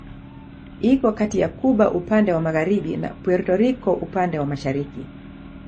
Iko kati ya Kuba upande wa magharibi na Puerto Rico upande wa mashariki.